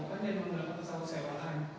dan menggunakan pesawat sewaan